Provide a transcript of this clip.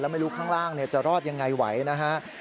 ไม่รู้ข้างล่างจะรอดยังไงไหวนะฮะ